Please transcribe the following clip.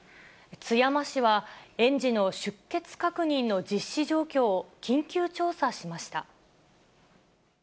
津山市は、園児の出欠確認の実施状況を緊急調査しました。